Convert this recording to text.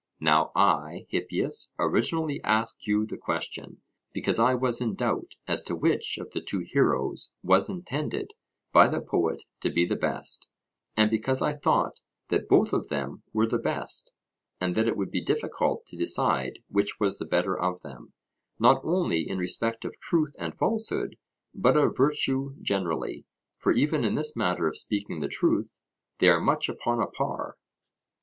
Now I, Hippias, originally asked you the question, because I was in doubt as to which of the two heroes was intended by the poet to be the best, and because I thought that both of them were the best, and that it would be difficult to decide which was the better of them, not only in respect of truth and falsehood, but of virtue generally, for even in this matter of speaking the truth they are much upon a par.